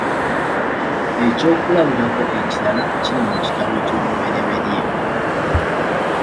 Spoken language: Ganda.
Ekyokulabirako ekirala kiri mu kitabo ky'Olubereberye.